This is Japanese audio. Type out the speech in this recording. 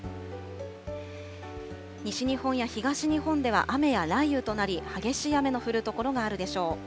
西日本や東日本では雨や雷雨となり、激しい雨の降る所があるでしょう。